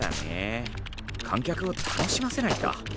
観客を楽しませないと。